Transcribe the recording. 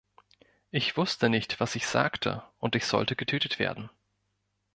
Ich wusste nicht, was ich sagte, und ich sollte getötet werden.